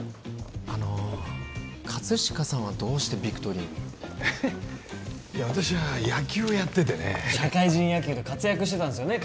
あの葛飾さんはどうしてビクトリーに私は野球をやっててね社会人野球で活躍してたんですよね